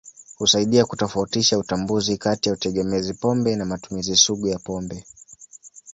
Husaidia kutofautisha utambuzi kati ya utegemezi pombe na matumizi sugu ya pombe.